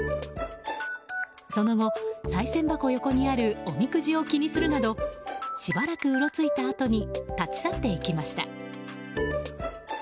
その後、さい銭箱横にあるおみくじを気にするなどしばらくうろついたあとに立ち去っていきました。